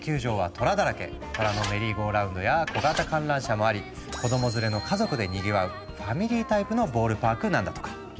虎のメリーゴーラウンドや小型観覧車もあり子ども連れの家族でにぎわうファミリータイプのボールパークなんだとか。